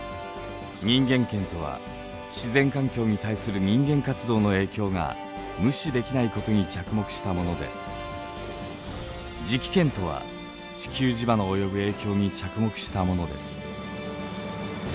人間圏とは自然環境に対する人間活動の影響が無視できないことに着目したもので磁気圏とは地球磁場の及ぶ影響に着目したものです。